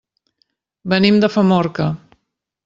Venim de Famorca.